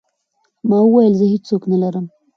ما وويل زه هېڅ څوک نه لرم.